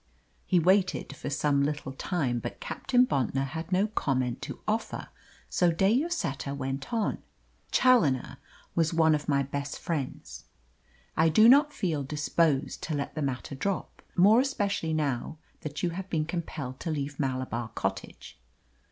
He waited for some little time, but Captain Bontnor had no comment to offer, so De Lloseta went on: "Challoner was one of my best friends. I do not feel disposed to let the matter drop, more especially now that you have been compelled to leave Malabar Cottage.